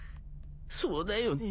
そうだよね。